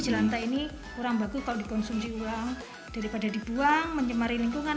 jelantai ini kurang bagus kau dikonsumsi uang daripada dibuang menyemari lingkungan